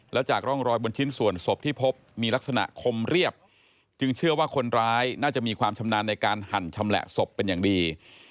และจากร่องรอยบนชิ้นส่วนศพที่พบมีลักษณะคมเรียบจึงเชื่อว่าคนร้ายน่าจะมีความชำนาญในการหั่นชำแหละศพเป็นอย่างดี